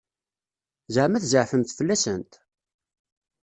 Ẓeɛma tzeɛfemt fell-asent?